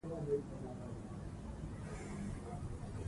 ځینې سپین ږیري پر دې اختلاف درلود.